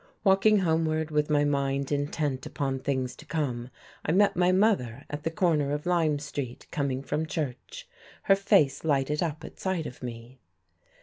Walking homeward, with my mind intent upon things to come, I met my mother at the corner of Lyme Street coming from church. Her face lighted up at sight of me.